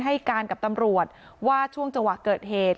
ให้การกับตำรวจว่าช่วงจังหวะเกิดเหตุ